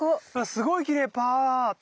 すごいきれいパーっと。